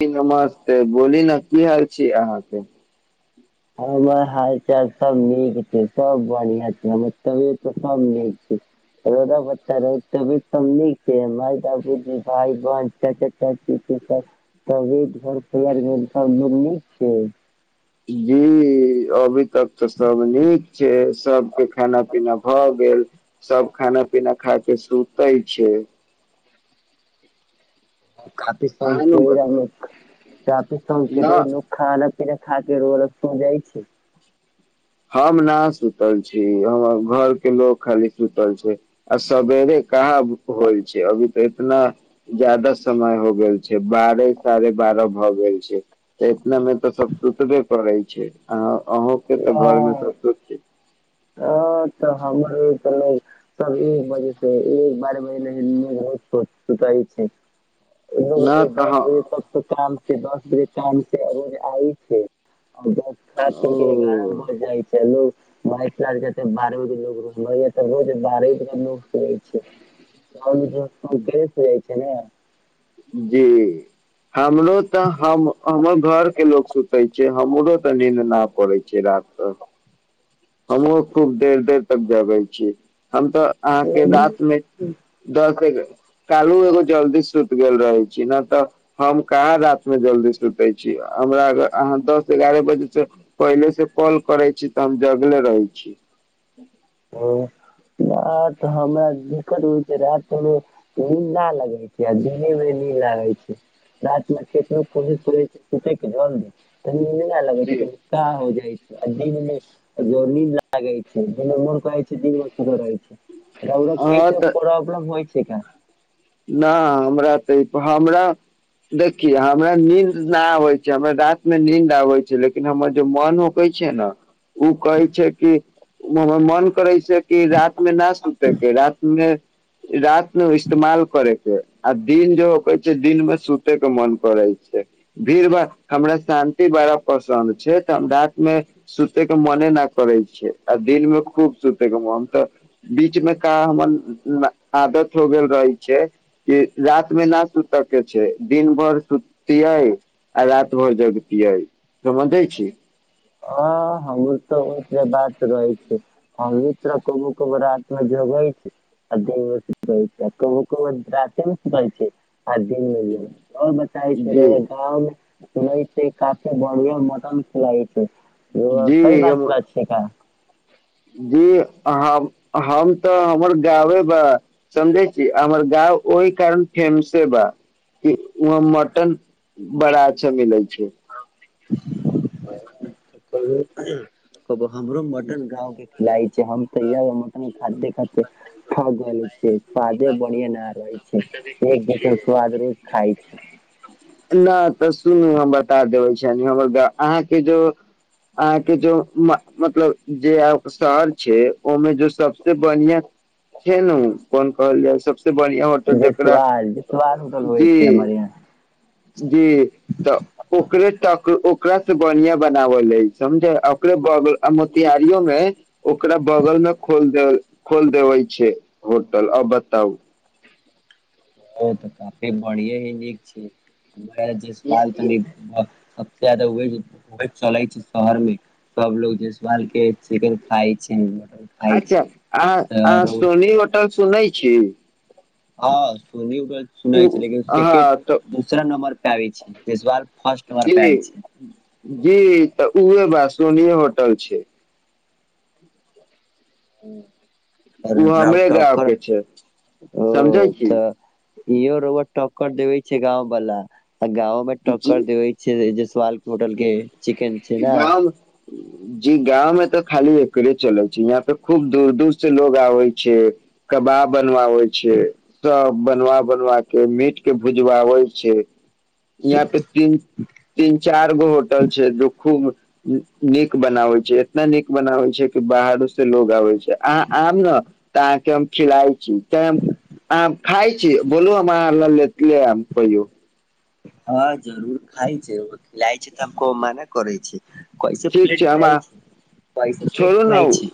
जी नमस्ते बोली ने की हाल छी अहाँके हमर हाल चाल सब नीक छै सब बढ़िआ छै हमर तबियत सब नीक छै रौदा ब्ता रह तभी त न छै माय बाबूजी भइ बन चा चाची [inaudible] त घर फल घ सब लोक नहि छै जी अभी तक तऽ सब नीक छै सबके खाना पीना भ गेल सब ख खान पीना खायके सुतय छै खफी अहाँ ने संकेत बता अने चापी संकेत न लोक ख अानक खात रहल जाइ छै हम न सुतल छी हमर घर के लोग खाली सुतल छै आ सबेरे क का होल छै अभी तऽ इतना ज्यादा समय हो गेल छै बारह साढ़े बारह भ गेल छै इतना मे तऽ सब सुतबे करै छै अहा अहाँकेँ घरमे अ सब स तऽ हमरो तऽ सब एक बजे से एक बारह बजे ह रोजो सुतल छी ह लोग दस बजे तक काम से दस बजे काम से रोज आबे छै आब खा पी के एगारह ओ बजे जाइ छै लोग माक लाग बरहों लोकग रो य तऽ बत बारहोे कहु हौए छै कर रहै छै नै जी हमरो तऽ हम हमर घर के लोग सुते छै हमरो तऽ नींद नहि पड़े छै हमहुँ खूब देर देर तक जगै छीय हम तऽ अहाँ के रात मे दस के काल्ही एगो जल्दी सुति गेल रहै छी न तऽ हम कहाँ राति मे जल्दी सुते छी हमरा अगर अहाँ दस ग्यारह बजे सँ पहिले से कॉल करै छी तऽ हम जगलै रहहि छी हां नहि तऽ हमर दिक्कत होइ छै राति मे निंद ना लगैए छै दिने में लगै छै लगै छै रात कतबो को नहि लगे छै जी कनि का हो जाय छै जीव मे जोनी लागे छै ज मन दी ब्तध रह छै ओ ई हँ तऽ प्रबलम होइ छै कऽ नहि हमरा तऽ ई हमरा देखिए हमरा नींद ना आबै छै हमरा राति मे नींद आबे छै लेकिन हमर जे मन होकै नै छै ना ओ कहै छै कि हमर मन करै छै की रात में ना सुते के रात में रात में इस्तेमाल करेके आ दिन ज कहै छै दिन मे सुते के मन करै छै दिन भर हमरा शांति बड़ा पसन्द छै तऽ हम राति में सुते के मने न करै छै आ दिन मे खूब सुते के मन तऽ बीच में कऽ हमरा आदत हो गेल रहै छिए रात में ना सुतअ के छै दिन भर सुतै आ रात भर जग पइ तऽ म दै छी हँ हमर तऽ ओहिसे बात रहै छै अवित्र कोबो को रात मे जोगै छै अध सु कह छै आ क कोमे सु कहै छै आर दिन मिल जे आ बताै छैर जी गाँव मे तीे काफी बढ़िआ मटन खियाबई छै जी कऽ बात हम बात छै क जी अहाँ अब हम तऽ हमर गाबै बा समझे छी हमर गा ओहि कारण फेमसे बा वहाँ मटन बड़ा अच्छा मिलै छै [unintelligible] कहीओ हमरो मटन गांव के खिलाई छै हम ते यहाँ मटन खाते खाते थक गेले छी स्वादे बनरिआ न रहै छै एक दीषन स्वाद रोज खाय छै नै तऽ सुन हम बता अहाँ के जो अहाँ के जो मतलब जे आ शहर छै ओहि में जो सबसे बढ़िया केहनो कोन कहल जाय बढ़िआ होटल जे जकरा स्वाद जे स्वाद होटल होइ जी छै हमर यहाँ जी तऽ ओकरे तक ओकरा से बनिया बनावले समझे ओकरे बल आ मोतिहारारियो में ओकरा बगल में खोल दे खोल देवे छै होटल बताउ ओ तऽ काफी बढ़िये ही नीक छै जे साल तनि छै शहर में सब लोग जेसबाल के खाई छै खाय अच्छा छै अ अह तऽ सोनी होटल सुनै छी हां सुनै सुनै ओ छी लेकिन हँ तऽ दूसरा नंम्बर पे आबै छै जेसवाल फर्स्ट नंबर पे जी आबै छै जी तऽ उह बा सोनी होटल छै ओ रव हमरे गाँव ठोकर के छै ओ समझै छी तऽ इहो रौवा टक्कर देवे छै गाँंव वाला आ गाँंव में जी टक्कर देवे छै जे सवाल होटल के चिकन छै ने गाम [unintelligible] जी गांवं में त खाली एकरे चल छै यहाँ पे खूब दूर दूर से लोग आवे छै कबा व बनवाबै छै सब बनवा बनवा के मीट के भुजवाबै छै यहाँ पे तीन तीन चार गो होटल छै जो खूब नीक बनाबै छै इतना नीक बनावै छै कि बाहरो से लोग आबे छै अहाँ आब ने तऽ अहाँके हम खिलाइ छी कैम आ खाइ छी बोलू हम अहां ल लेत ले आब कहियौ हँ जरूर खाय छै ओ खिलाय छै तऽ हम कोउ मना करै छै कैसे ठीक छै प्लेट खिलाइ हमरा छै कैसे प्लेट छोड़ू ने खिलाय छै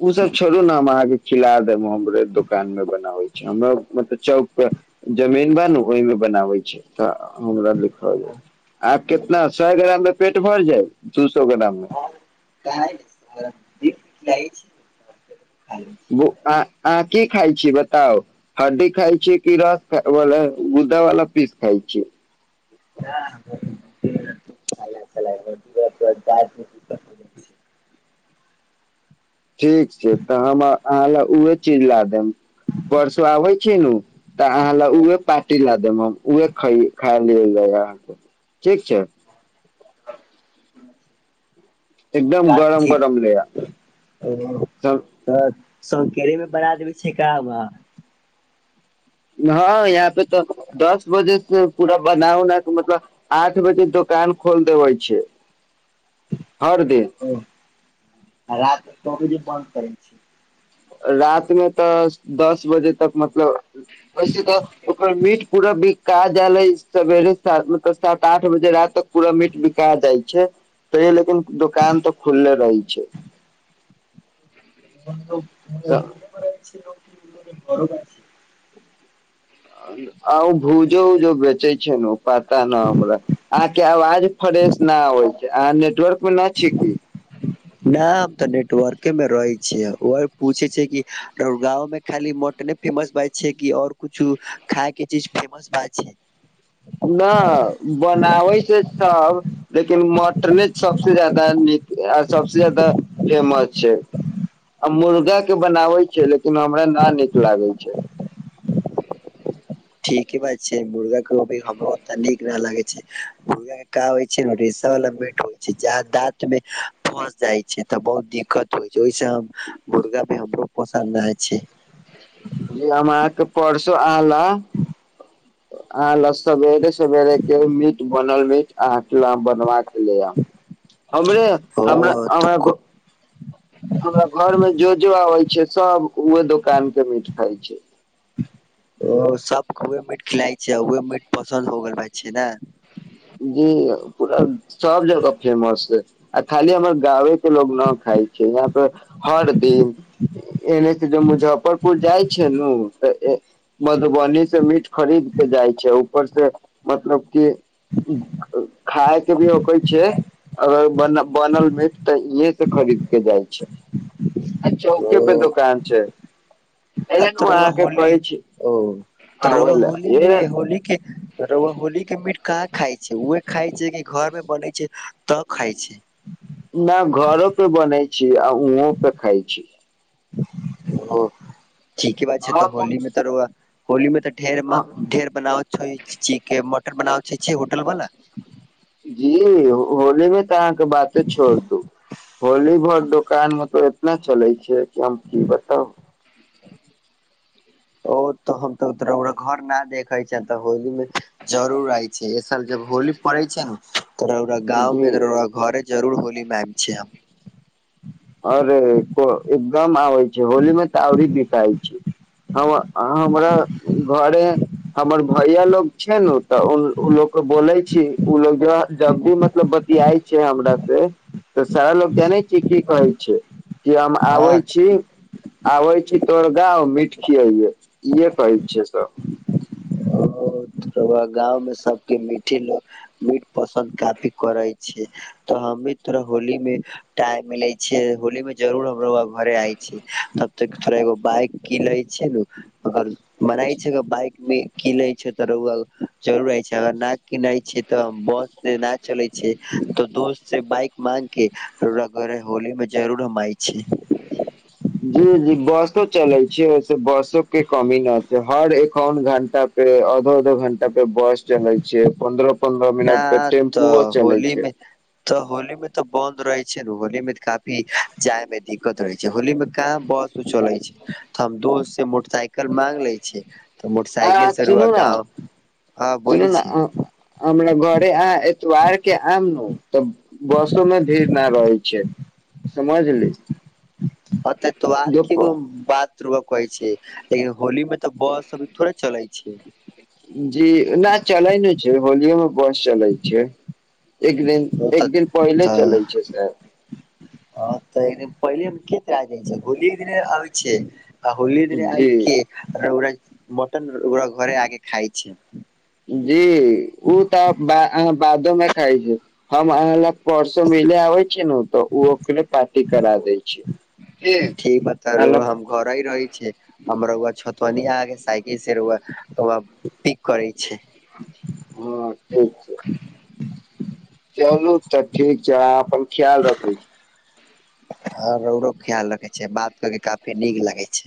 उ सब छोड़ू ने हम अहाँ क खिला देब हमरे दुकान में बनाबय हमरा मतलब चौक पर जमीन बा नु ओहिमे बनाबै छी तऽ हमरा लिखा आब और कितना सए ग्राम मे पेट भर जाय दुस हँ क नहि स छी। लै बो छी। आ अहाँ की खाय छीयेई बताउ हड्दी खाय छी कि रस गुदा वला पीस खाय छी [inaudible] [unintelligible] [unintelligible] ठीक छै तऽ हम अहाँ लए उहे चीज ला देम परसू आबै छै नु तऽ अहाँ ल उहे पार्टी ला देम हम उहे खै खाइब ठीक छै एकदम बात गरम गरम ले आ चित ओ सब त सौकेेलेमे बड़ा देबय छै का वा हँ यहाँ पे तऽ दस बजे से पूरा बना उना क मतलब आठ बजे कान खोल देबै छै हर दिन ओ रात क बजे बन्द करै छी राति मे तऽ दस बजे तक मतलब वैसे तऽ ओकर मीट पूरा बिका जाले सवेरे मतलब सात आठ बजे रात तक पूड़ा मीट बिका जाइ छै तयौ लेकिन दुकान तऽ खुलले रही छै [unintelligible] आ ऊ भूजो उजो बेचई छैय नु ओ पता न हमरा आहां के आवाज फ स न अबय छै आहाँ नेटवर्क में न छी कि न हम तऽ नेटवर्के मे रहै छियै ओ पूछे छै कि गाँंव में खाली म टने फेमस बाज छैय कि आओर कुछु खााय के चीज फेमस बाज छैय। न बनाबै छैय सब लेकिन मटने सबस जादा नी ये सबस जादा फेमस छैय आ मुर्गा के बनाबै छैय लेकिन हमरा ना नीक लागय छैय। ठीके बात छैय मुर्गा के ओभी हमरो नीक न लागै छैय मुर्गा का होइ छैय न कि ट लम्बेट होइ छैय जा दाँत मे फंस जाइ छैय तऽ बहुत दिक्कत होइ छैय ओहिस हम मुर्गा भी हमरो पसन्द नहि छैय। हमअहाँ के परसो अन्हाला अहां ल सवेरे सवेरे के मीट बनल मीट अह के ला बनवा क हमरे ओ हमरा हमरा तऽ हमरा घर मे जो जो आबै छैय सब ओह दोकान के मीट खाइ छैय। ओ सबके उह मीट खिलाइ छैय उह मीट पसन्द हो गेल भा छैय ने? जी पूरा सब जगह फेमस छैय आ खाली हमर गावे क लोग न खाइ छैय यहाँ पर हर दिन एने के कि जे मुजफ्फरपुर जाइ छैय नू तऽ मधुबनी से मीट खरीद के जाइ छैय ऊपर से मतलब की खायके भी औके छैय। अगर ब बनल मीट तऽ इहे से खरीद के जाइ छैय। अच्छा चौके पे ओ। दुकान छैय। आ तऽ रौआ होली ओ आबै रौआ ला होलीमे एहे होली के रौआ होली के मीट कहाँ खााय छैय ओहे खााय छैय कि घर मे बनै छैय। तऽ खाइ छैय। न घरो पे बनै छी आ उहों पे खााय छी। हं ठीके बात छैय तऽ हम होली मे तऽ रौआ होली मे तऽ ढेर अ- ढेर बनाबै छीके मट [inaudible] बनाब छ होटल वाल जी होली मे तऽ अहाँके बाते छोड़ दू होली भर दोकान मे तो इतना चलै छैय कि हम की बताउ? ओ तऽ हम तऽ घर न देखै छ तऽ होली मे जरूर आय छैय एसाल ज होली पड़ै छै तो ओकरा गाँव जी मे तो ओकरा घरे जरूर होली मे आइब छै आओर एकदम आबै छै होलीमे तऽ औरी बिकाए छै हमर हमरा घरे हमर भैया लोग छैय नु तऽ उ उ ल‌ऽ के बोलै जब भी मतलब बतिया छैय हमरा से तऽ सारा लोग जानै छ कि कहै छी कि हम हँ आबै छी आबे छी तोहड़ गांव मिठ इहे पाइप छैय सब। गाँंव में सबके मीटे लो मीठ पसन्द काफी करै छैय। त हम भी थोड़ा होली मे टाइम मिलै छियै होली मे जरूर हम रौआ घरे आय छियै त थोड़ा एगो बाइक कीलय छैय ने अगर बनाय [inaudible] छैय बाइक मे की लै छैय। रौंदा जरूर आय छै अगर न किनै छै तऽ बस से न चले छै तऽ दोस्त से बइक मांगके रऊआ घड़े होली मे जरूर हमे आइ छी। [inaudible] जी जी बसो चलै छैय ओयसे बसो के कमी न छैय हर एखन घंटा पे अधो अधो घंटा पे बस चलै छैय पन्द्रह पन्द्रह न मिनट पे तऽ टेम्पूओ चलै छै होलीमे तऽ होलीमे तऽ बंन्द रहे छै ने होली में काफी जाय में दिक्कत रहे छै होली में काम बंद कुछो रहै छै तऽ हम दोस्त से मोटरसाइकल मांग ले छियै तऽ आ मोटरसइकिल रौआ सुनू ने गाँव हँ सुनू बोली ने छी घरे एतवार के आएब नु तब बसो में भीड़ ना रहै छै समझली मत एतवार दुप न बात रौंदा कहै छै लेकिन होली मे तऽ बस अभी थोड़े चलै छी जी न चलाय नहि छै होलियोमे बस चलए छै एक दिन ओ तऽ एक दिन पहिले तऽ चलै छै से हँ तऽ एक दिन पहिले मे केतरा जाइ छै होलिय दिने आब छै आ होलिये दिने आ जी के मटन ओकरा घरे आके खाय छै जी ओ तऽ बादो मे खाइ छी हम अहाँ लग परसो म पहिले आबै छै न अतऽ ओ अकरे पार्टी करा दै छै ठी बतारु हम घर रहै छियै हम रौआ छतुआ न आगे साइकिल रौआ पिक करै छै हँ ठीक छै चलू तऽ ठीक छै आहां अपन ख्याल रखै छी हँ रौरो ख्याल रखे छ छै बात कऽ के काफी नीक लागै छैय